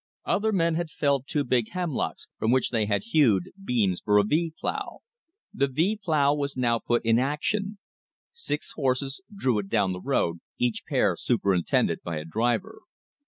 Other men had felled two big hemlocks, from which they had hewed beams for a V plow. The V plow was now put in action. Six horses drew it down the road, each pair superintended by a driver.